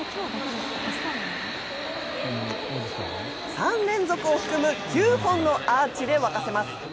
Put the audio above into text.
３連続を含む９本のアーチで沸かせます。